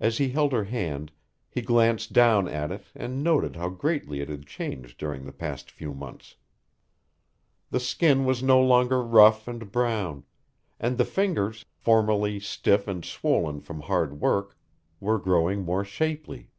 As he held her hand, he glanced down at it and noted how greatly it had changed during the past few months. The skin was no longer rough and brown, and the fingers, formerly stiff and swollen from hard work, were growing more shapely.